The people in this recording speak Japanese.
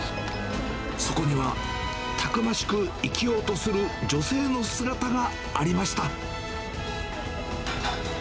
そこには、たくましく生きようとする女性の姿がありました。